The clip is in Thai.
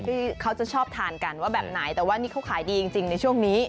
ที่เขาจะชอบทานกันว่าแบบไหนแต่ว่านี่เขาขายดีจริงในช่วงนี้